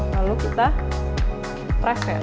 lalu kita press ya